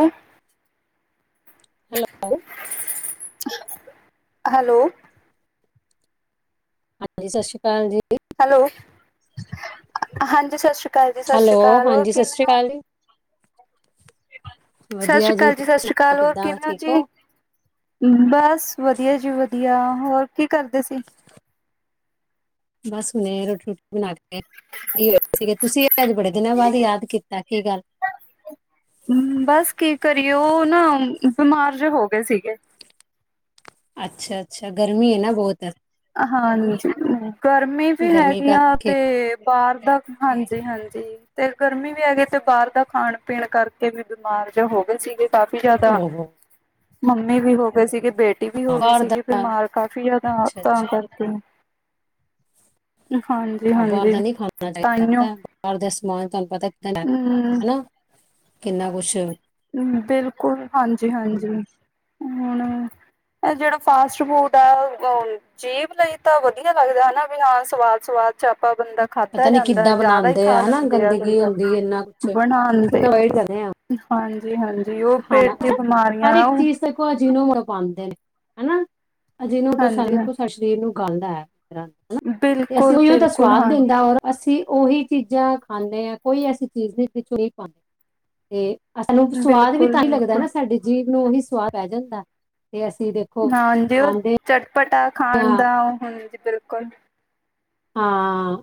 ਐਂ hello hello ਹਾਂਜੀ ਸਤਿ ਸ਼੍ਰੀ ਅਕਾਲ ਜੀ। ਹੈਲੋ ਹਾਂਜੀ ਸਤਿ ਸ੍ਰੀ ਅਕਾਲ ਜੀ ਸਤਿ ਹੈਲੋ ਸ਼੍ਰੀ ਅਕਾਲ ਹੋਰ ਹਾਂਜੀ ਸਤਿ ਕਿਵੇਂ ਸ਼੍ਰੀ ਓ। ਅਕਾਲ ਜੀ ਸਤਿ ਸ੍ਰੀ ਵਧੀਆ ਕਾਲ ਜੀ ਤੁਸੀਂ ਸਤਿ ਸ਼੍ਰੀ ਅਕਾਲ ਹੋਰ ਕਿੱਦਾਂ ਕਿਵੇ ਓ ਠੀਕ ਜੀ। ਹੋ ਬਸ ਵਧੀਆ ਜੀ ਵਧੀਆ ਹੋਰ ਕੀ ਕਰਦੇ ਸੀ। [inaudible] ਬਸ ਹੁਣੇ ਰੋਟੀ ਰੁਟੀ ਬਣਾ ਕੇ ਹੋਏ ਸੀ ਤੁਸੀਂ ਅੱਜ ਬੜੇ ਦਿਨਾਂ ਬਾਦ ਯਾਦ ਕੀਤਾ ਕੀ ਗੱਲ ਬਸ ਕੀ ਕਰੀਏ ਓ ਨਾ ਬਿਮਾਰ ਜੇ ਹੋ ਗਏ ਸੀਗੇ। ਅੱਛਾ-ਅੱਛਾ ਗਰਮੀ ਏ ਨਾ ਬੋਤ ਹਾਂਜੀ ਗਰਮੀ ਵੀ ਗਰਮੀ ਹੈਗੀ ਆ ਕਰਕੇ ਤੇ ਬਾਰ ਦਾ ਹਾਂਜੀ-ਹਾਂਜੀ। ਤੇ ਗਰਮੀ ਵੀ ਹੈਗੀ ਤੇ ਬਾਰ ਦਾ ਖਾਣ ਪੀਣ ਕਰਕੇ ਵੀ ਬਿਮਾਰ ਜੋ ਹੋ ਗਏ ਸੀਗੇ। ਕਾਫੀ ਜਾਦਾ ਓਹੋ ਮੰਮੀ ਵੀ ਹੋ ਗਏ ਸੀਗੇ। ਬੇਟੀ ਵੀ ਹੋ ਹਾਂ, ਗਈ ਬਾਹਰ ਦਾ ਸੀਗੀ ਬਿਮਾਰ ਕਾਫ਼ੀ ਜਾਦਾ ਅੱਛਾ ਤਾਂ ਅੱਛਾ ਕਰਕੇ ਨ ਖਾਣ ਬਾਰ ਦਾ ਨਈ ਖਾਣਾ ਚਾਈਦਾ ਬਾਰ ਦੇ ਸੁਵਾਦ ਤੁਆਨੂੰ ਪਤਾ ਹਨਾ। ਹਮ ਕਿੰਨਾ ਕੁਛ ਬਿਲਕੁਲ ਹਾਂਜੀ-ਹਾਂਜੀ ਹੁਣ ਇਹ ਜੇੜਾ ਫਾਸਟ ਫੂਡ ਆ ਹੁਣ ਜੀਭ ਲਈ ਤਾਂ ਵਧੀਆ ਲੱਗਦਾ ਹਨਾ ਵੀ ਹਾਂ ਸਵਾਦ-ਸਵਾਦ 'ਚ ਆਪਾਂ ਬੰਦਾ ਖਾਧਾ ਪਤਾ ਨਹੀਂ ਜਾਂਦਾ ਐ ਕਿੱਦਾਂ ਜਾਦਾ ਈ ਬਣਾਉਂਦੇ ਖਾ ਆ ਹਨਾ ਲੈਂਦੇ ਆ ਗੰਦਗੀ ਬਣਾਣ ਦੇ ਝੱਲੇ ਆਂ। ਹਾਂਜੀ-ਹਾਂਜੀ ਓ ਪੇਟ ਦੀ ਹਰ ਬਿਮਾਰੀਆਂ ਇੱਕ ਓ ਚੀਜ਼ ਦੇਖੋ ਆ ਜੀ ਨੂੰ ਮੁੜ ਪਾਂਦੇ ਨੇ ਹਨਾ। ਅਜੀ ਨੂੰ ਖੋ ਹਾਂਜੀ ਸਾਡੇ ਹਾਂ ਸਰੀਰ ਨੂੰ ਗਲਦਾ ਹੈ ਹਨਾ ਤੇ ਅਸੀਂ ਬਿਲਕੁਲ ਉਹੀਓ ਬਿਲਕੁਲ ਸਵਾਦਾ ਹਾਂ ਦੇਂਦਾ ਔਰ ਅਸੀਂ ਉਹੀ ਚੀਜ਼ਾਂ ਖਾਂਦੇ ਆਂ ਕੋਈ ਐਸੀ ਚੀਜ਼ ਨਈ ਜਹ 'ਚੋਂ ਨਈ ਪਾਂਦੇ ਤੇ ਸਾਨੂੰ ਸਵਾਦ ਵੀ ਬਿਲਕੁਲ ਤਾਂ ਈ ਲੱਗਦਾ ਬਿਲਕੁਲ ਨਾ ਸਾਡੇ ਜੀਵ ਨੂੰ ਉਹੀ ਸਵਾਦ ਪੈ ਜਾਂਦਾ ਤੇ ਅਸੀਂ ਦੇ ਹਾਂਜੀ, ਚਟਪਟਾ ਖਾਣ ਹਾਂ ਦਾ ਉਹ ਹੁੰਦੀ ਬਿਲਕੁਲ ਆਂ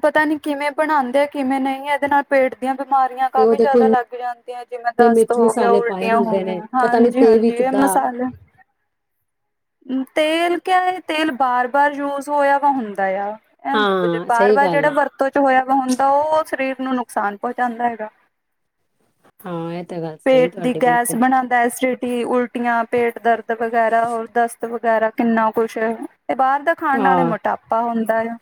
ਪਤਾ ਨੀ ਕਿਵੇਂ ਬਣਾਂਦੇ, ਕਿਵੇਂ ਨਹੀਂ ਇਹਦੇ ਨਾਲ ਪੇਟ ਦੀਆਂ ਬਿਮਾਰੀਆਂ ਤੇ ਉਹ ਕਾਫ਼ੀ ਦੇਖੋ ਜਿਆਦਾ ਇੰਨੇ ਲੱਗ ਜਾਂਦੀਆਂ, ਜਿਵੇਂ ਦਸਤ ਮਿਰਚ ਹੋ ਗਿਆ, ਮਸਾਲੇ ਪਾਏ ਉਲਟੀਆਂ ਹੋ ਹੁੰਦੇ ਨੇ ਗਈਆਂ। ਪਤਾ ਨਹੀਂ ਹਾਂਜੀ ਤੇ ਵੀ ਹਾਂਜੀ ਏ ਕਿੱਦਾਂ ਮਸਾਲੇ ਤੇਲ ਕਿਆ, ਇਹ ਤੇਲ ਬਾਰ- ਬਾਰ ਯੂਜ ਹੋਇਆ ਵਾ ਹੁੰਦਾ। ਐਂ ਹਾਂ ਵਾਰ- ਸਹੀ ਵਾਰ ਗੱਲ ਜਿਹੜਾ ਹੈ ਵਰਤੋਂ 'ਚ ਹੋਇਆ ਵਾ ਹੁੰਦਾ, ਉਹ ਸਰੀਰ ਨੂੰ ਨੁਕਸਾਨ ਪਹੁੰਚਾਉਂਦਾ ਹੈਗਾ। ਹਾਂ ਇਹ ਤਾਂ ਗੱਲ ਸਹੀ ਪੇਟ ਦੀ ਤੁਹਾਡੀ ਗੈਸ ਬਿਲਕੁਲ ਬਣਾ ਐਸੀਡਿਟੀ, ਉਲਟੀਆਂ, ਪੇਟ ਦਰਦ ਵਗੈਰਾ ਹੋਰ ਦਸਤ ਵਗੈਰਾ ਕਿੰਨਾ ਕੁਛ, ਤੇ ਬਾਹਰ ਦਾ ਖਾਣ ਆਲੇ ਹਾਂ ਮੋਟਾਪਾ ਹੁੰਦਾ ਐ,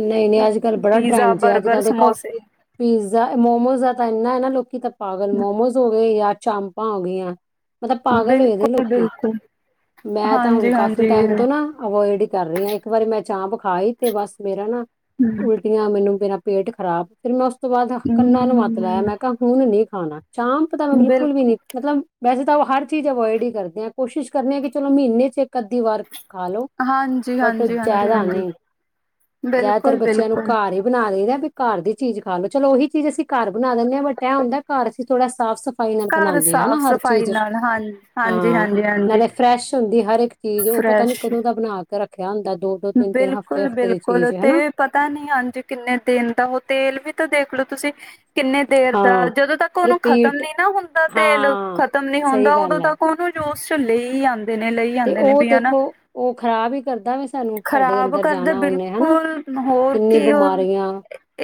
ਨਹੀਂ ਨਹੀਂ ਅੱਜ ਕੱਲ੍ਹ ਬੜਾ ਪੀਜ਼ਾ, ਟ੍ਰੈਂਡ ਜੇ ਅੱਜ ਬਰਗਰ, ਕੱਲ੍ਹ ਦੇਖੋ ਸਮੋਸੇ ਪੀਜ਼ਾ, ਮੋਮੋਜ਼ ਦਾ ਤਾਂ ਐਨਾ ਹੈ ਨਾ ਲੋਕੀ ਤਾਂ ਪਾਗਲ ਮੋਮੋਜ਼ ਹੋ ਗਏ ਜਾਂ ਚਾਮਪਾਂ ਹੋ ਗਈਆਂ। ਮਤਲਬ ਪਾਗਲ ਹੋਵੇ ਬਿਲਕੁਲ ਲੋਕੀ ਬਿਲਕੁਲ ਮੈਂ ਤਾਂ ਹੁਣ ਹਾਂਜੀ ਕਾਫੀ ਹਾਂਜੀ ਟਾਈਮ ਹਮ ਤੋਂ ਨਾ, ਅਵੋਇਡ ਹੀ ਕਰ ਫੇਰ ਇੱਕ ਵਾਰੀ ਮੈਂ ਚਾਪ ਖਾਈ, ਤੇ ਬਸ ਮੇਰਾ ਨਾ ਉਲ ਉਲਟੀਆਂ, ਮੈਨੂੰ ਮੇਰਾ ਪੇਟ ਖਰਾਬ, ਫੇਰ ਮੈਂ ਉਸ ਤੋਂ ਬਾਅਦ ਕੰਨਾਂ ਨੂੰ ਹੱਥ ਲਾਇਆ ਮੈਂ ਕਿਹਾ ਹੁਣ ਨੀ ਖਾਣਾ, ਚਾਂਪ ਤਾਂ ਮੈਂ ਬਿਲਕੁਲ ਵੀ ਨੀ ਮਤਲਬ ਵੈਸੇ ਤਾਂ ਹਰ ਚੀਜ਼ ਅਵੋਇਡ ਹੀ ਕਰਦੇ ਆ, ਕੋਸ਼ਿਸ਼ ਕਰਨੇ ਆ ਕਿ ਚਲੋ ਮਹੀਨੇ 'ਚ ਇੱਕ ਅੱਧੀ ਵਾਰ ਖਾਲੋ ਹਾਂਜੀ-ਹਾਂਜੀ-ਹਾਂਜੀ-ਹਾਂਜੀ, ਜ਼ਿਆਦਾਤਰ ਬਿਲਕੁਲ- ਬੱਚਿਆਂ ਨੂੰ ਬਿਲਕੁਲ। ਘਰ ਹੀ ਬਣਾ ਦੇਈ ਵੀ ਘਰ ਦੀ ਚੀਜ਼ ਖਾ ਲਓ, ਚਲੋ ਉਹੀ ਚੀਜ਼ ਅਸੀਂ ਘਰ ਬਣਾ ਦਿੰਦੇ ਆਂ, ਬਟ ਐਹ ਹੁੰਦਾ ਘਰ ਅਸੀ ਥੋੜ੍ਹਾ ਸਾਫ ਸਫ ਸਫਾਈ ਨਾਲ ਘਰ ਬਣਾਉਂਦੇ ਆ ਨਾ ਸਾਫ਼ ਹਰ ਸਫ਼ਾਈ ਚੀਜ਼, ਨਾਲ ਹਾਂ ਹਾਂਜੀ ਹਾਂ, ਹਾਂਜੀ ਹਾਂਜੀ ਨਾਲੇ ਫਰੈਸ਼ ਹੁੰਦੀ ਹਰ ਇੱਕ ਚੀਜ਼ ਓ, ਪਤਾ ਨੀ ਫਰੈਸ਼ ਕਦੋਂ ਦਾ ਬਣਾ ਕੇ ਰੱਖਿਆ ਹੁੰਦਾ ਦੋ ਦੋ ਤਿੰਨ ਤਿੰਨ ਹਫ਼ਤੇ ਬਿਲਕੁਲ ਹਫ਼ਤੇ ਦੀ ਬਿਲਕੁਲ ਚੀਜ਼ ਤੇ ਹਨਾ ਪਤਾ ਨੀ ਹਾਂਜੀ ਕਿੰਨੇ ਦਿਨ ਦਾ, ਓ ਤੇਲ ਵੀ ਤਾਂ ਦੇਖਲੋ ਤੁਸੀਂ ਕਿੰਨੇ ਦੇਰ ਦਾ, ਹਾਂ ਜਦੋਂ ਤੱਕ ਉਹਨੂੰ ਖਤਮ ਰਿਪੀਟ ਨੀ ਨਾ ਹੁੰਦਾ ਤੇਲ, ਹਾਂ ਖਤਮ ਨੀ ਸਹੀ ਹੁੰਦਾ, ਉਦੋਂ ਗੱਲ ਹੈ ਤੱਕ ਉਹਨੂੰ ਯੂਸ 'ਚ ਲਈ ਆਂਦੇ ਨੇ, ਲਈ ਆਂਦੇ ਨੇ ਵੀ ਹਨਾ ਓ ਖ਼ਰਾਬ ਈ ਕਰਦਾ ਵਿਸ ਖਰਾਬ ਕਰਦਾ ਬਿਲਕੁਲ ਹੋਰ ਕਿੰਨੀ ਕਿ ਓ ਬਿਮਾਰੀਆਂ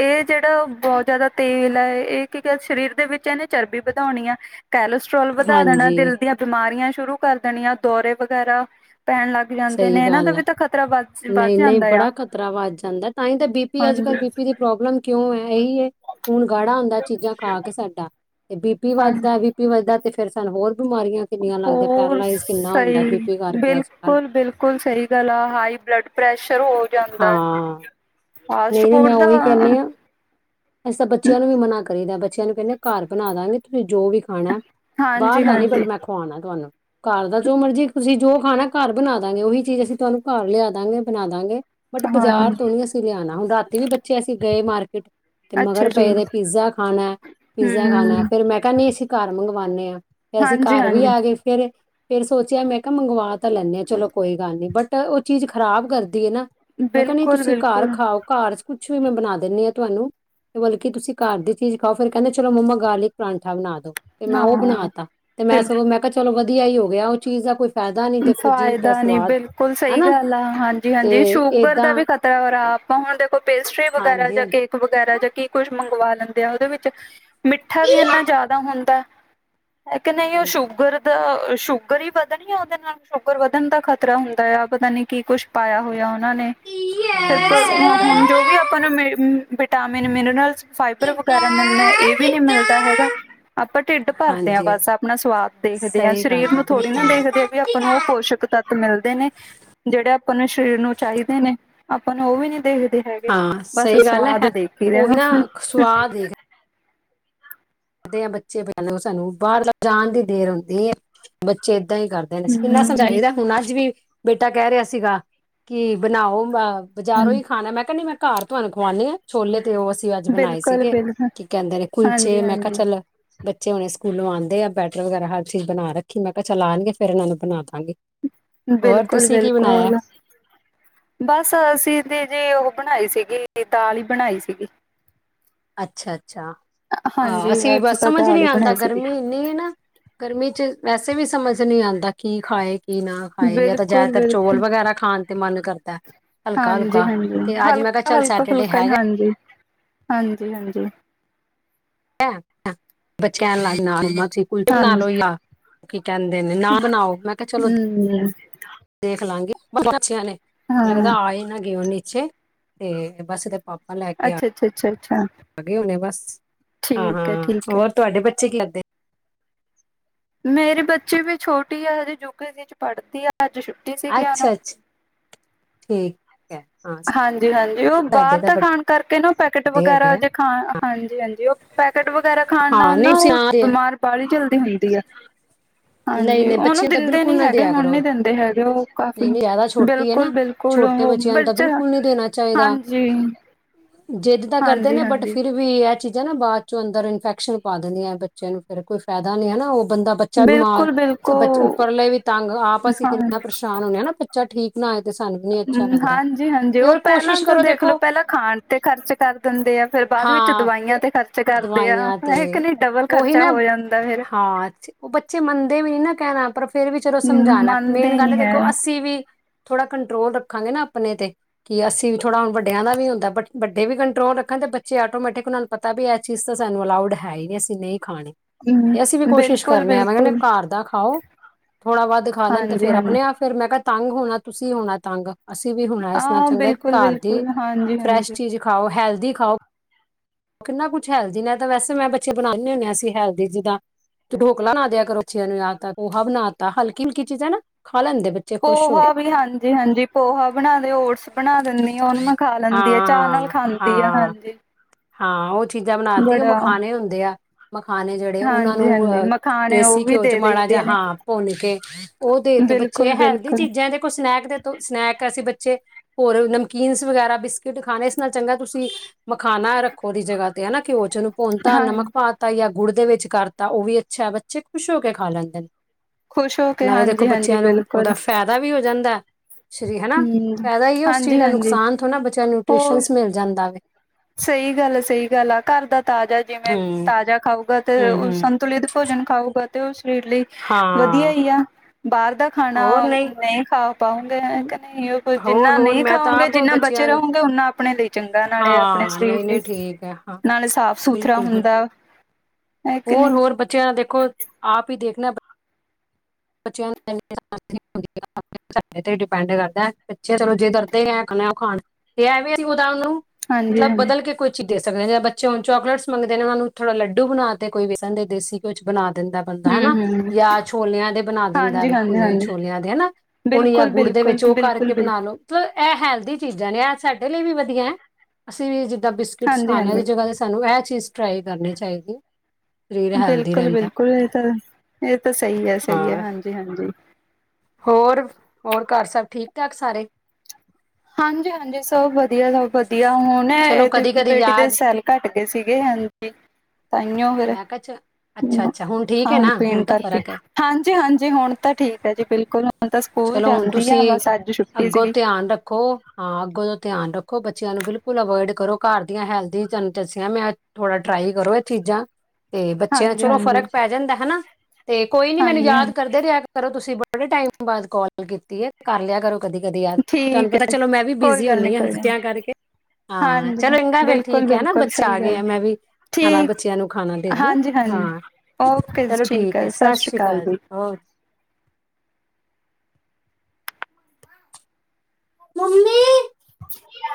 ਏ ਜੇੜਾ ਬਹੁਤ ਜ਼ਿਆਦਾ ਤੇਲ ਐ, ਇਹ ਕਿਉੰਕਿ ਸਰੀਰ ਦੇ ਵਿੱਚ ਇਹਨੇ ਚਰਬੀ ਵਧਾਉਣੀ ਆਂ। ਕੈਲਸਟ੍ਰੋਲ ਵਧਾ ਦੇਣਾ, ਹਾਂਜੀ ਦਿਲ ਦੀਆਂ ਬਿਮਾਰੀਆਂ ਸ਼ੁਰੂ ਕਰ ਦੇਣੀਆਂ, ਦੋਰੇ ਵਗੈਰਾ, ਪੈਣ ਲੱਗ ਜਾਂਦੇ ਨੇ, ਇਹਨਾਂ ਦਾ ਵੀ ਤਾਂ ਖਤਰਾ ਵੱਧ ਵੱਧ ਨਹੀਂ- ਨਹੀਂ, ਜਾਂਦਾ ਆ ਬੜਾ ਖ਼ਤਰਾ ਵੱਧ ਜਾਂਦਾ ਤਾਂਹੀ ਤਾਂ ਬੀਪੀ ਅੱਜ- ਹਾਂਜੀ ਕੱਲ ਬੀਪੀ ਦੀ ਪ੍ਰੋਬਲਮ ਕਿਉਂ ਐ, ਇਹੀ ਐ। ਖੂਨ ਗਾੜਾ ਹੁੰਦਾ ਚੀਜ਼ਾਂ ਖਾ ਕੇ ਸਾਡਾ, ਤੇ ਬੀ ਪੀ ਹਾਂਜੀ ਵੱਧਦਾ ਬੀ ਬੀਪੀ ਵੱਧਦਾ ਤੇ ਫੇਰ ਸਾਨੂੰ ਹੋਰ ਬਿਮਾਰੀਆਂ ਕਿੰਨੀਆਂ ਲੱਗਦੀਆਂ ਹੋਰ ਪੈਰਾਲਾਈਜ਼ ਕਿੰਨਾ ਸਈ, ਹੁੰਦਾ ਬੀਪੀ ਕਰਕੇ ਅੱਜ-ਕੱਲ੍ਹ ਬਿਲਕੁਲ ਬਿਲ ਬਿਲਕੁਲ ਸਹੀ ਗੱਲ ਆ, ਹਾਈ ਬਲੱਡ ਪ੍ਰੈਸ਼ਰ ਹੋ ਜਾਂਦਾ। ਫਾਸਟ ਨਹੀਂ ਫੂਡ ਮੈਂ ਦਾ ਉਹੀ ਕਹਿੰਨੀ ਆ। ਅਸੀ ਤਾਂ ਬੱਚਿਆਂ ਨੂੰ ਵੀ ਮਨਾ ਕਰੀਦਾ, ਬੱਚਿਆਂ ਨੂੰ ਕਹਿੰਦੇ ਘਰ ਬਣਾ ਦਾਂਗੇ ਤੁਸੀਂ ਜੋ ਵੀ ਹਨਾ, ਹਾਂਜੀ ਬਾਹਰ ਦਾ ਨੀ ਬਟ ਹਾਂਜੀ ਮੈਂ ਖਵਾਣਾ ਤੁਹਾਨੂੰ ਘਰ ਦਾ ਜੋ ਮਰਜ਼ੀ, ਤੁਸੀਂ ਜੋ ਖਾਣਾ, ਘਰ ਬਣਾ ਦਾਂਗੇ ਉਹੀ ਚੀਜ਼, ਅਸੀਂ ਤੁਹਾਨੂੰ ਘਰ ਲਿਆ ਦਾਂਗੇ, ਬਣਾ ਦਾਂਗੇ। ਬਟ ਬਾਜ਼ਾਰ ਹਾਂਜੀ ਤੋਂ ਨੀ ਅਸੀਂ ਲਿਆਣਾ, ਹੁਣ ਰਾਤੀ ਵੀ ਬੱਚੇ ਅਸੀਂ ਗਏ ਮਾਰਕੀਟ ਤੇ ਮਗਰ ਅੱਛਾ ਜੀ ਪਏ ਰਹੇ, ਪੀਜ਼ਾ ਖਾਣਾ- ਪੀਜ਼ਾ ਖਾਣਾ, ਹਮ ਫੇਰ ਮੈਂ ਕਿਹਾ ਨੀ ਅਸੀਂ ਘਰ ਮੰਗਵਾਂਦੇ ਆਂ। ਫੇਰ ਅਸੀਂ ਹਾਂਜੀ ਘਰ ਵੀ ਹਾਂਜੀ ਆ ਗਏ ਫਿਰ, ਫਿਰ ਸੋਚਿਆ ਮੈਂ ਕਿਹਾ ਮੰਗਵਾ ਤਾਂ ਲੈਂਨੇ ਆ, ਚਲੋ ਕੋਈ ਗੱਲ ਨੀ ਬਟ ਬਟ ਓ ਚੀਜ਼ ਖ਼ਰਾਬ ਕਰਦੀ ਏ ਨਾ, ਮੈਂ ਕਿਹਾ ਬਿਲਕੁਲ ਤੁਸੀਂ ਘਰ ਬਿਲਕੁਲ ਖਾਓ ਘਰ ਚ ਕੁਛ ਵੀ ਮੈਂ ਬਨਾ ਦਿੰਨੀ ਆ ਤੁਆਨੂੰ ਤੇ ਮਤਲਬ ਕੀ ਤੁਸੀਂ ਘਰ ਦੀ ਚੀਜ਼ ਖਾਓ ਫਿਰ ਕੈਂਦੇ ਚਲੋ ਮੰਮਾ ਗਾਰਲਿਕ ਪਰਾਂਠਾ ਬਨਾ ਦੋ। ਤੇ ਮੈਂ ਓ ਹਾਂ ਬਨਾਤਾ, ਤੇ ਮੈਂ ਬਿਲ ਸਗੋਂ ਮੈਂ ਕਿਆ ਚਲੋ ਵਦੀਆ ਈ ਹੋ ਗਿਆ ਓ ਚੀਜ਼ ਦਾ ਕੋਈ ਫਾਇਦਾ ਨਹੀਂ ਦੇਖੋ ਜੀਭ ਦਾ ਫਾਇਦਾ ਨੀ ਸਵਾਦ ਬਿਲਕੁਲ ਸਈ ਹਨਾ ਗੱਲ ਆ ਤੇ ਹਾਂਜੀ-ਹਾਂਜੀ ਸ਼ੂਗਰ ਏਦਾਂ ਦਾ ਵੀ ਖਤ ਰਾ ਆਪਾਂ ਹੁਨ ਦੇਖੋ ਪੇਸਟਰੀ ਵਗੈਰਾ ਹਾਂਜੀ ਜਾਂ ਹਾਂਜੀ ਕੇਕ ਵਗੈਰਾ ਜਾਂ ਕੀ ਕੁੱਝ ਮੰਗਵਾ ਲੈਂਦੇ ਆ, ਓਦੇ ਵਿੱਚ ਮਿੱਠਾ ਵੀ ਏਨਾ ਜਾਦਾ ਹੁੰਦਾ ਮੈਂ ਕਿਆ ਨਈ ਓ ਹਾਂਜੀ ਸ਼ੂਗਰ ਦਾ ਸ਼ੂਗਰ ਈ ਵਦਨੀ ਆ ਓਦੇ ਨਾ ਸ਼ੂਗਰ ਵਦਨ ਦਾ ਖ਼ਤਰਾ ਹੁੰਦਾ ਆ, ਪਤਾ ਨੀ ਕੀ ਕੁੱਛ ਪਾਇਆ ਹੋਇਆ ਓਨਾਂ ਨੇ, ਫਿਰ ਹਾਂ, ਸਹੀ ਗੱਲ ਹੁਨ ਜੋ ਵੀ ਆਪਾਂ ਨੂੰ ਵਿਟਾਮਿਨ ਮਿਨਰਲਸ ਫਾਈਬਰ ਵਗੈਰਾ ਮਿਲਨੇ ਕਿੱਦਾਂ ਏ ਵੀ ਨੀ ਮਿਲਦਾ ਹੈਗਾ। ਕਿੱਦਾਂ ਆਪਾਂ ਢਿੱਡ ਭਰਦੇ ਆਂ ਹਾਂਜੀ ਬਸ ਆਪਨਾ ਸਵਾਦ ਦੇਖਦੇ ਆਂ ਸਹੀ ਗੱਲ ਸਰੀਰ ਹੈ ਨੂੰ ਸਤਿ ਥੋੜ੍ਹੀ ਨਾ ਬਿਲਕੁਲ ਦੇਖਦੇ ਆ ਵੀ ਆਪ ਸ਼੍ਰੀ ਆਪਾਂ ਨੂੰ ਓ ਅਕਾਲ ਪੋਸ਼ਕ ਤੱਤ ਮਿਲਦੇ ਨੇ। ਜੇੜੇ ਆਪਾਂ ਨੂੰ ਸਰੀਰ ਨੂੰ ਚਾਈਦੇ ਨੇ, ਆਪਾਂ ਨੂੰ ਓ ਵੀ ਨੀ ਦਿਖਦੇ। ਹੈਗੇ ਹਾਂ ਬਸ ਸਹੀ ਗੱਲ ਸਵਾਦ ਹੈ ਦੇਖੀ ਉਹੀ ਰੈਨਾ। ਨਾ ਸਵਾਦ ਆ ਬੱਚੇ ਪੈਲਾਂ ਸਾਨੂੰ ਬਾਰ ਜਾਨ ਦੀ ਦੇਰ ਹੁੰਦੀ ਐ, ਬੱਚੇ ਏਦਾਂ ਈ ਕਰ ਦੇ ਨੇ, ਕਿੰਨਾ ਹਮ ਜੀ ਸਮਝਾਈ ਦਾ ਹੁਨ ਅੱਜ ਵੀ ਬੇਟਾ ਕੈ ਰਿਆ ਸੀਗਾ ਕੀ ਬਨਾਓ ਅ ਬਜ਼ਾਰੋਂ ਈ ਖਾਨਾ ਮੈਂ ਕੈਨੀ ਮੈਂ ਘਰ ਤਆਨੂੰ ਖਵਾਨੀ ਆ ਛੋਲੇ ਤੇ ਓ ਅਸੀਂ ਅੱਜ ਬਨਾਏ ਬਿਲਕੁਲ ਸੀਗੇ, ਬਿਲਕੁਲ ਕੀ ਕੈਂਦੇ ਨੇ ਹਾਂਜੀ ਕੁਲਚੇ ਮੈਂ ਕਿਆ ਹਾਂਜੀ ਚੱਲ ਬੱਚੇ ਹੁਨੇ ਸਕੂਲੋ ਆਂਦੇ ਐ ਬੈਟਰ ਵਗੈਰਾ ਹਰ ਚੀਜ਼ ਬਨਾ ਰੱਖੀ ਮੈਂ ਕਿਆ ਚੱਲ ਔਨਗੇ ਫਿਰ ਏਨਾਂ ਨੂੰ ਬਨਾਦਾਂਗੀ। ਬਿਲਕੁਲ-ਬਿਲਕੁਲ। ਬਸ ਅਸੀਂ ਤੇ ਜੀ ਓ ਬਨਾਈ ਸੀਗੀ ਦਾਲ ਈ ਬਨਾਈ ਸੀਗੀ। ਅੱਛਾ-ਅੱਛਾ, ਆ ਹਾਂਜੀ ਅਸੀਂ ਵੀ ਅੱਜ ਬਸ ਤਾਂ ਸਮਝ ਦਾਲ ਨੀ ਹੀ ਆਂਦਾ ਬਣਾਈ ਸੀਗੀ। ਗਰਮੀ ਇੰਨੀ ਐ ਨਾ ਗਰਮੀ ਚ ਵੈਸੇ ਵੀ ਸਮਝ ਨੀ ਆਂਦਾ ਕੀ ਖਾਏ। ਕੀ ਨਾ ਖਾਏ ਜਾ ਤਾਂ ਬਿਲਕੁਲ ਜਾਦਾਤਰ ਚੋਲ ਬਿਲਕੁਲ ਵਗੈਰਾ ਖਾਨ ਤੇ ਮਨ ਕਰਦਾ। ਹਲਕਾ ਹਲਕਾ ਹਾਂਜੀ-ਹਾਂਜੀ, ਤੇ ਅੱਜ ਮੈਂ ਕਿਹਾ ਚੱਲ ਹਲਕਾ-ਹਲਕਾ ਸੈਟਰਡੇ ਫੁਲਕਾ ਈ ਹੈਗਾ ਹਾਂਜੀ, ਹਾਂਜੀ-ਹਾਂਜੀ। ਐਂ ਬੱਚੇਆਂ ਨੂੰ ਲੈਨ [unintelligible] ਕੁਲਚੇ ਬਨਾ ਹਾਂਜੀ ਲੋ ਜਾਂ। ਕੀ ਕੈਂਦੇ ਨੇ ਨਾ ਬਨਾਓ, ਮੈਂ ਕਿਆ ਚਲੋ ਹੂੰ ਦੇਖਲਾਂਗੀ ਬੱਚੇਆਂ ਨੇ ਲੱਗਦਾ ਹਾਂ ਆਈ ਨਾ ਗਏ ਹੋਨ ਨੀਚੇ ਤੇ ਬਸ ਏਦੇ ਪਾਪਾ ਲੈ ਕੇ ਅੱਛਾ ਅੱਛਾ ਅੱਛਾ ਅੱਛਾ ਆ-ਆ ਗਏ ਹੋਨੇ ਬਸ। ਠੀਕ ਹੈ ਹਾਂ-ਹਾਂ ਠੀਕ ਹੈ ਹੋਰ ਤੁਹਾਡੇ ਬੱਚੇ ਕੀ ਲੱਦੇ ਮੇਰੇ ਬੱਚੇ ਵੀ ਛੋਟੇ ਆ ਹਜੇ ਯੂਕੇਜੀ ਚ ਪੜ੍ਹਦੀ ਆ ਅੱਜ ਛੁ ਅੱਛਾ-ਅੱਛਾ, ਠੀਕ ਹੈ ਹਾਂ ਹਾਂਜੀ-ਹਾਂਜੀ ਓ ਸਾਡੇ ਬਾਰ ਤਾਂ ਦਾ ਖਾਨ ਕਰਕੇ ਨਾ ਪੈਕਟ ਦੇ ਹੈਗੇ ਵਗੈਰਾ ਆ ਜੇ ਖਾ ਹਾਂਜੀ-ਹਾਂਜੀ ਓ ਪੈਕੇਟ ਵਗੈਰਾ ਖਾਨ ਹਾਂ ਨਾਲ ਨਹੀਂ ਨਾ ਤੁਸੀਂ ਓ ਬਮਾਰ ਬਾਲੀ ਜਲਦੀ ਹੁੰਦੀ ਆ। ਨਹੀਂ ਹਾਂਜੀ ਨਹੀਂ ਓਨੂੰ ਬੱਚਿਆਂ ਤਾਂ ਦਿੰਦੇ ਬਿਲਕੁਲ ਨੀ ਨਾ ਹੈਗੇ ਦਿਆ ਹੁਨ ਕਰੋ ਨੀ ਦਿੰਦੇ ਹੈਗੇ ਓ ਨਹੀਂ ਕਾਫੀਨ, ਨਹੀਂ ਜ਼ਿਆਦਾ ਛੋਟੀ ਹੈ ਬਿਲਕੁਲ ਨਾ ਬਿਲ ਕੋਲੋ ਛੋਟੇ ਓ, ਬੱਚਿਆਂ ਨੂੰ ਤਾਂ ਬੱਚਾ ਬਿਲਕੁਲ ਨਹੀਂ ਦੇਣਾ ਚਾਹੀਦਾ ਹਾਂਜੀ ਜਿੱਦ ਤਾਂ ਕਰਦੇ ਹਾਂਜੀ ਨੇ ਬਟ ਹਾਂਜੀ ਫਿਰ ਵੀ ਐ ਚੀਜ਼ਾਂ ਨਾ ਬਾਦ ਚੋਂ ਅੰਦਰ ਇਨਫੈਕਸ਼ਨ ਪਾ ਦਿੰਦੀਆਂ ਬੱਚੇ ਨੂੰ ਫੇਰ ਕੋਈ ਫੈਦਾ ਨੀ ਹਨਾ ਓ ਬੰਦਾ ਵੀ ਬੱਚਾ ਬਮਾਰ ਬਿਲਕੁਲ ਬ ਬਿਲਕੁਲ ਉੱਪਰਲੇ ਵੀ ਤੰਗ ਆਪ ਅਸੀਂ ਕਿੰਨਾ ਪਰੇਸ਼ਾਨ ਹੁੰਨੇ ਆਂ ਨਾ ਬੱਚਾ ਠੀਕ ਨਾ ਹੋਏ ਤੇ ਸਾਨੂੰ ਵੀ ਨੀ ਅੱਛਾ ਹੂੰ, ਲੱਗਦਾ ਹਾਂਜੀ-ਹਾਂਜੀ ਤੇ ਓ ਹੋਰ ਪੈਲਾਂ ਕੋਸ਼ਿਸ਼ ਤਾਂ ਕਰੋ ਦੇਖਲੋ ਦੇਖੋ ਪੈਲਾਂ ਖਾਨ ਤੇ ਖਰਚ ਕਰ ਦਿੰਦੇ ਆ, ਫੇਰ ਬਾਦ ਵਿੱਚ ਹਾਂ ਦਵਾਈਆਂ ਫਿਰ ਤੇ ਖਰਚ ਕਰਦੇ ਆ ਦਵਾਈਆਂ ਤੇ ਇੱਕ ਨਈ ਡਬਲ ਉਹੀ ਖਰਚਾ ਨਾ ਹੋ ਜਾਂਦਾ ਫੇਰ। ਹਾਂ ਅੱਛੇ ਓ ਬੱਚੇ ਮੰਨਦੇ ਵੀ ਨੀ ਨਾ ਕੈਨੲ ਪਰ ਫਿਰ ਵੀ ਚਲੋ ਹਮ ਸਮਝਾਨਾ ਮੰਨਦੇ ਮੇਨ ਗੱਲ ਨੀ ਹੈ ਦੇਖੋ ਅਸੀ ਵੀਂ ਥੋੜਾ ਕੰਟਰੋਲ ਰੱਖਾਂਗੇ ਨਾ ਆਪਨੇ ਤੇ, ਕੀ ਅਸੀਂ ਵੀ ਥੋੜਾ ਹੁਨ ਵੱਡਿਆਂ ਦਾ ਵੀ ਹੁੰਦਾ। ਵੱਡੇ ਵੀ ਕੰਟਰੋਲ ਰੱਖਨ ਤੇ ਬੱਚੇ ਆਟੋਮੈਟਿਕ ਓਨਾਂ ਨੂੰ ਪਤਾ ਵੀ ਐ ਚੀਜ਼ ਤਾਂ ਸਾਨੂੰ ਅਲਾਊਡ ਹੈ ਈ ਨੀਂ ਅਸੀਂ ਨਈ ਖਾਨੀ। ਹਮ ਇਹ ਅਸੀਂ ਵੀ ਕੋਸ਼ਿਸ਼ ਬਿਲਕੁਲ ਕਰਨੇ ਹਾਂ। ਮੈਂ ਕਹਿੰਦੇ ਬਿਲਕੁਲ ਘਰ ਦਾ ਖਾਓ ਥੋੜਾ ਵੱਧ ਖਾ ਲੈਣ ਤੇ ਹਾਂਜੀ ਫੇਰ ਹਾਂਜੀ ਆਪਣੇ ਆਪ ਫੇਰ ਮੈਂ ਕਿਹਾ ਤੰਗ ਹੋਣਾ ਤੁਸੀਂ ਹੋਣਾ ਤੰਗ ਅਸੀਂ ਵੀ ਹੁਣਾ ਇਸ ਨਾਲ ਹਾਂ ਚੰਗਾ ਕਿ ਬਿਲਕੁਲ ਘਰ ਦੀ ਬਿਲਕੁਲ ਹਾਂਜੀ ਫਰੈਸ਼ ਹਾਂਜੀ ਚੀਜ਼ ਖਾਓ ਹੈਲਦੀ ਖਾਓ। ਕਿੰਨਾ ਕੁਛ ਹੈਲਦੀ ਨੇ ਤਾਂ ਵੈਸੇੈਂ ਬੱਚੇ ਬਣਾਉਂਦੇ ਹੁੰ-ਹ-ਅਂ ਹੈਲਦੀ ਜਿੱਦਾਂ ਤੇ ਢੋਕਲਾ ਬਣਾ ਦਿਆ ਕਰੋ ਬੱਚਿਆ ਨੂੰ ਜਾਦਾਤਰ ਪੋਹਾ ਬਣਾ ਤਤਾ ਹਲਕੀ-ਹਲਕੀ ਚੀਜ਼ਾਂ ਲੈਦੇ ਖਾ ਲੈਂਦੇ। ਖੁਸ਼ ਹੋ ਕੇ ਪੋਹਾ ਵੀ ਹਾਂਜੀ-ਹਾਂਜੀ ਪੋਹਾ ਬਣਾ ਦੇ ਓਟਸ ਬਣਾ ਦਿੰਦੀ ਆ, ਉਹਨੂੰ ਮੈਂ ਖਾ ਲੈਂਦੀ ਆ। ਚਾਹ ਨਾਲ ਹਾਂ ਖਾਂਦੀ ਆ ਹਾਂ ਹਾਂਜੀ। ਹਾਂ ਉਹ ਚੀਜ਼ਾਂ ਬਣਾਤੀ ਉਹ ਬੜਾ ਮਖਾਣੇ ਹੁੰਦੇ ਆ ਮਖਾਣੇ ਨੇ ਜਿਹੜੇ ਉਹਨਾਂ ਹਾਂਜੀ ਨੂੰ ਹਾਂਜੀ ਅਹ ਮਖਾਣੇ ਉਹ ਦੇਸੀ ਵੀ ਘਿਓ ਚ ਦੇ ਮਾੜਾ ਦਈਦੇ ਜਾਂ ਨੇ ਹਾਂ ਭੁੰਨ ਕੇ ਉਹ ਦੇ ਤੇ ਬੱਚੇ ਬਿਲਕੁਲ ਹੈਲਦੀ ਬਿਲਕੁਲ ਚੀਜ਼ਾਂ ਦੇਖੋਂ ਸਨੈਕ ਦੇ ਤੇ ਸਨੈਕ ਅਸੀਂ ਬੱਚੇ ਹੋਰ ਨਮਕੀਨਸ ਵਗੈਰਾ ਬਿਸਕਿਟ ਖਾਣੇ ਇਸ ਨਾਲੋ ਚੰਗਾ ਤੁਸੀਂ ਮਖਾਣਾ ਰੱਖੋ ਉਹਦੀ ਜਗ੍ਹਾ ਤੇ ਹਨਾ ਘਿਓ ਉਹਨੂੰ ਭੁੰਨਤਾ ਹਾਂ ਨਮਕ ਪਾ ਤਾ ਜਾਂ ਗੁੜ ਦੇ ਵਿੱਚ ਕਰਤਾ ਉਹ ਵੀ ਅੱਛਾ ਬੱਚੇ ਖੁਸ਼ ਹੋ ਕੇ ਖਾ ਲੈਂਦੇ ਨੇ ਖੁਸ਼ ਹੋ ਕੇ ਨਾਲ਼ੇ ਦੇਖੋਂ ਹਾਂਜੀ ਹਾਂਜੀ ਬੱਚਿਆਂ ਨੂੰ ਬਿਲਕੁਲ ਉਹਦਾ ਫਾਇ ਦਾ ਵੀ ਹੋ ਜਾਂਦਾ ਸ਼੍ਰੀ ਹਨਾ ਹਮ ਪੈਂਦਾ ਈ ਆ ਉਸ ਚੀਜ਼ ਹਾਂਜੀ ਦਾ ਹਾਂਜੀ ਨੁਕਸਾਨ ਥੋੜ੍ਹਾ ਬੱਚਾ ਨੂੰ ਨਿਊਟ੍ਰਸ਼ਨ ਹੋਰ ਮਿਲਦਾ ਜਾਂਦਾ ਵੇ ਸਹੀ ਗੱਲ ਆ ਸਹੀ ਗੱਲ ਆ ਘਰ ਦਾ ਤਾਜ਼ਾ ਜਿਵੇਂ ਹੂੰ ਤਾਜ਼ਾ ਖਾਊਗਾ ਤੇ ਹੂੰ ਉਹ ਹੂੰ ਸੰਤੁਲਿਤ ਭੋਜਨ ਖਾਊਗਾ ਤੇ ਉਹ ਸਰੀਰ ਲਈ ਵਧੀਆਂ ਹਾਂ ਈ ਆ ਬਾਹਰ ਦਾ ਖਾਣਾ ਨਹੀਂ ਖਾ ਪਾਉਂਗੇ ਹੈਂ ਕਿ ਨਹੀਂ ਉਹ ਹੋਰ ਜਿੰਨਾ ਹੋਰ ਨਹੀਂ ਮੈਂ ਤਾਂ ਖਾਓਗੇ ਆਪ ਜਿੰਨਾ ਬਚੇ ਬੱਚਿਆਂ ਨੂੰ ਰਹੋਂਗੇ ਉਨਾਂ ਆਪਣੇ ਲਈ ਚੰਗਾ ਨਾਲ਼ੇ ਹਾਂ ਸਰੀਰ ਨਹੀਂ ਲਈ ਨਹੀਂ ਠੀਕ ਹੈ ਹਾਂ ਨਾਲ਼ੇ ਸਾਫ਼ ਸੁਥਰਾ ਬਿਲਕੁਲ ਬਿਲਕੁਲ ਹੁੰਦਾ ਹੈ ਕਿ ਹੋਰ ਨਹੀਂ ਹੋਰ ਬੱਚਿਆਂ ਦਾ ਦੇਖੋਂ ਆਪ ਈ ਦੇਖਣਾ ਬੱਚਿਆਂ ਨੂੰ [inaudible] ਸਾਡੇ ਤੇ ਡਿਪੈਂਡ ਕਰਦਾ ਬੱਚੇ ਚਲੋ ਜੇ ਜਿੱਦ ਕਰਦੇ ਨੇ ਇਹ ਖਾਣਾ ਹਾਂਜੀ ਮਤਲਬ ਹਾਂਜੀ ਬਦਲ ਕੇ ਕੁੱਝ ਦੇ ਸਕਦੇ ਨੇ ਬੱਚੇ ਹੁਣ ਚੋਕਲੇਟਸ ਮੰਗਦੇ ਨੇ ਉਹ ਨੂੰ ਥੋੜ੍ਹਾ ਲੱਡੂ ਬਣਾ ਕੇ ਕੋਈ ਵੇਸਣ ਦੇਸੀ ਘਿਉ 'ਚ ਬਣਾ ਦਿੰਦਾ ਬੰਦਾ ਹੂੰ ਹਨਾ ਹੂੰ ਜਾਂ ਛੋਲਿਆਂ ਦੇ ਬਣਾ ਦਿੰਦਾ ਹਾਂਜੀ ਹਾਂਜੀ ਭੁੰਨੇ ਹਾਂਜੀ ਛੋਲਿਆਂ ਦੇ ਹਨਾ ਉਹਨੂੰ ਜਾਂ ਬਿਲਕੁਲ ਗੁੜ ਦੇ ਬਿਲਕੁਲ ਵਿੱਚ ਉਹ ਬਿਲਕੁਲ ਕਰਕੇ ਬਣਾ ਬਿਲਕੁਲ ਲ ਤਲਬ ਇਹ ਹੈਲਦੀ ਚੀਜ਼ਾਂ ਨੇ ਏਹ ਸਾਡੇ ਲਈ ਵੀ ਵਧੀਆਂ ਐ ਅਸੀਂ ਵੀ ਜਿੱਦਾਂ ਬਿਸਕਿਟਸਿ ਹਾਂਜੀ ਖਾਣੇ ਉਹਦੀ ਹਾਂਜੀ ਜਗ੍ਹਾ ਤੇ ਸਾਨੂੰ ਇਹ ਚੀਜ਼ ਟਰਾਈ ਕਰਨੀ ਚਾਹੀਦੀ ਐ‌। ਬਿਲਕੁਲ ਬਿਲਕੁਲ ਇਹ ਤਾਂ ਇਹ ਤਾਂ ਸਹੀ ਏ। ਹਾਂ ਹੋਰ ਹੋਰ ਘਰ ਸਭ ਠੀਕ ਠਾਕ ਸਾਰੇ। ਹਾਂਜੀ ਹਾਂਜੀ ਸਭ ਵਧੀਆਂ ਸਭ ਵਧੀਆਂ ਹੁਣ ਨੇ ਚਲੋ ਇਹਦੇ ਕਦੀ ਕਦੀ ਬੇਟੀ ਦੇ ਯਾਦ ਸੈੱਲ ਘੱਟ ਗਏ ਸੀਗੇ ਹਾਂਜੀ ਤਾਂਹੀਓ ਫ਼ਿਰ ਮੈਂ ਕਿਹਾ ਅੱਛਾ ਹੂ ਅੱਛਾ ਹੁਣ ਠੀਕ ਹੈ ਖਾਣ ਨਾ ਪੀਣ ਹੁਣ ਤਾਂ ਕਰਕੇ ਫ਼ਰਕ ਹੈ ਹਾਂਜੀ ਹਾਂਜੀ ਹੁਣ ਤਾਂ ਠੀਕ ਹੈ ਜੀ ਬਿਲਕੁਲ। ਹੁਣ ਤਾਂ ਸਕੂਲ ਚਲੋ ਹੁਣ ਜਾਂਦੀ ਆ ਤੁਸੀਂ ਬਸ ਅੱਜ ਛੁੱਟੀ ਅੱਗੋਂ ਸੀਗੀ ਧਿਆਨ ਰੱਖੋ ਹਾਂ ਅੱਗੋਂ ਤੋਂ ਧਿਆਨ ਰੱਖੋ ਬੱਚਿਆਂ ਨੂੰ ਬਿਲਕੁਲ ਕੁਲ ਅਵੋਇਡ ਕਰੋ ਘਰ ਦੀਆਂ ਹੈਲਦੀ ਚ ਦਸਿਆਂ ਤੇਨੂੰ ਮੈਂ ਥੋੜ੍ਹਾ ਟਰਾਈ ਕਰੋ ਇਹ ਚੀਜ਼ਾਂ ਤੇ ਬੱਚਿਆਂ ਚਲੋ ਹਾਂਜੀ-ਹਾਂਜੀ ਫ਼ਰਕ ਪੈ ਜਾਂਦਾ ਹਨਾ ਤੇ ਕੋਈ ਨੀ ਮੈਨੂੰ ਯਾਦ ਕਰ ਹਾਂਜੀ-ਹਾਂਜੀ ਕਰਦੇ ਰਿਹਾ ਕਰੋ ਤੁਸੀਂ ਬੜੇ ਟਾਈਮ ਬਾਅਦ ਕੋਲ ਕੀਤੀ ਏ ਕਰ ਲਿਆ ਕਰੋ ਕਦੇ ਕਦੇ ਯਾਦ ਤੁਹਾਨੂੰ ਠੀਕ ਪਤਾ ਹੈ ਚਲੋ ਮੈਂ ਕੋਈ ਬਿਜ਼ੀ ਗੱਲ ਨੀ ਹੁਣੀ ਆ ਕੋਈ ਗੱਲ ਨੀ। ਬੱਚਿਆਂ ਕਰਕੇ ਹਾਂ ਹਾਂਜੀ ਚਲੋ ਇੰਗਾ ਫੇ਼ਰ ਠੀਕ ਹੈ ਹਨਾ ਬਿਲਕੁਲ-ਬਿਲਕੁਲ ਬੱਚਾ ਆ ਸਹੀ ਗਏ ਗੱਲ ਆ ਮੈਂ ਵੀ ਹਨਾ ਠੀਕ ਬੱਚਿਆਂ ਨੂੰ ਖਾਣਾ ਦੇੰਦਾ ਹਨਾ ਹਾਂਜੀ-ਹਾਂਜੀ ਹਾਂ ਓਕੇ ਜੀ ਚਲੋ ਠੀਕ ਆ ਹੈ ਸਤਿ ਸ਼੍ਰੀ ਸਸ਼੍ਰੀ ਅਕਾਲ ਕਾਲ ਜੀ। ਹੋਰ ਮੰਮੀ ਮੋਅ